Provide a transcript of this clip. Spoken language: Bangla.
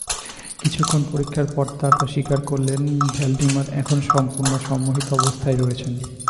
কিছুক্ষণ পরীক্ষার পর তাঁরা স্বীকার করলেন, ভ্যালডিমার এখন সম্পূর্ণ সম্মোহিত অবস্থায় রয়েছেন।